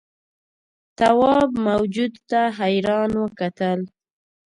تواب موجود ته حیران وکتل.